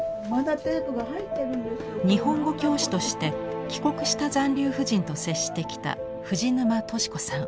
日本語教師として帰国した残留婦人と接してきた藤沼敏子さん。